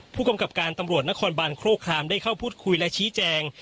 ผู้กำกับการตำรวจนครบานโครครามได้เข้าพูดคุยและชี้แจง